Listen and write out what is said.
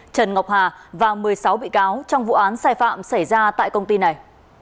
trần ngọc hà và một mươi sáu bị cáo trong vụ án sai phạm xảy ra tại công ty này